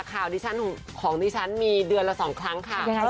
ข่าวของดิฉันมีเดือนละสองครั้งค่ะ